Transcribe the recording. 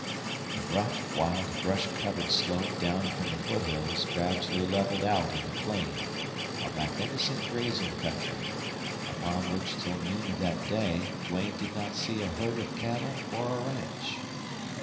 The rough, wild, brush covered slope down from the foothills gradually leveled out into plain, a magnificent grazing country, upon which till noon of that day Duane did not see a herd of cattle or a ranch.